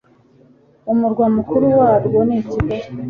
umurwa mukuru warwo ni Kigali